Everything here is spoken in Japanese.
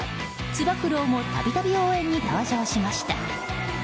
つば九郎も度々、応援に登場しました。